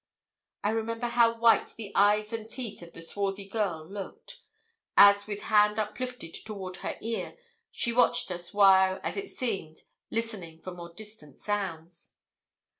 I remember how white the eyes and teeth of the swarthy girl looked, as with hand uplifted toward her ear, she watched us while, as it seemed, listening for more distant sounds.